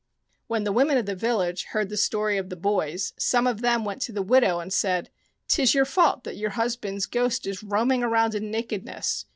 When the women of the village heard the story pf the boys some of them went to the widow and said: " 'Tis your fault that your husband's ghost is roaming around in nakedness.